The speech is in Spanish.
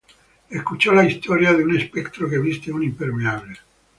Escucho la historia de un espectro que viste un impermeable.